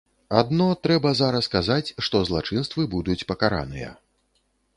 Адно, трэба зараз казаць, што злачынствы будуць пакараныя.